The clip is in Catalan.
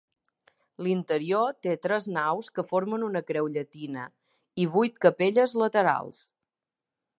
L'interior té tres naus que formen una creu llatina, i vuit capelles laterals.